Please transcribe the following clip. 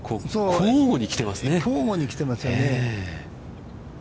交互に来ていますよね。